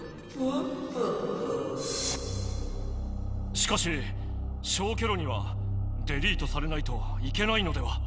しかし消去炉にはデリートされないと行けないのでは？